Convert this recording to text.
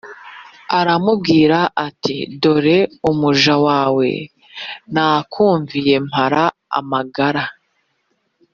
aramubwira ati “dore umuja wawe nakumviye mpara amagara